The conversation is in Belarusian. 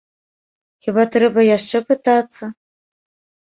Хіба трэба яшчэ пытацца?